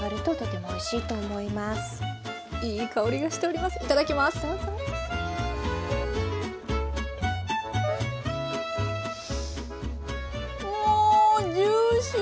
もうジューシー！